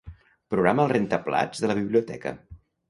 Programa el rentaplats de la biblioteca.